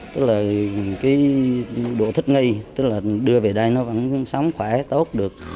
tức là cái độ thích nghi tức là đưa về đây nó vẫn sống khỏe tốt được